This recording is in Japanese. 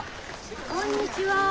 こんにちは。